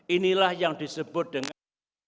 inilah yang disebut dengan